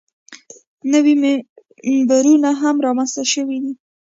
نوي منبرونه هم رامنځته شوي دي.